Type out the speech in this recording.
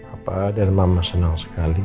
apa ada yang mama senang sekali